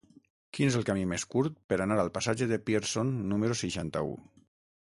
Quin és el camí més curt per anar al passatge de Pearson número seixanta-u?